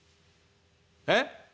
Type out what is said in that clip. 「えっ？」。